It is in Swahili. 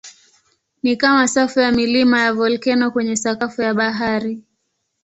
Ni kama safu ya milima ya volkeno kwenye sakafu ya bahari.